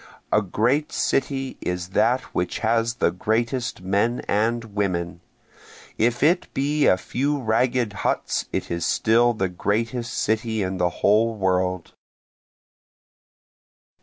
A great city is that which has the greatest men and women, If it be a few ragged huts it is still the greatest city in the whole world.